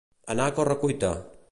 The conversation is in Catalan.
Anar a corre-cuita